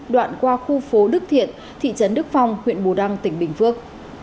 đoạn qua khu phố đức thiện thị trấn đức phong huyện bù đăng tỉnh bình phước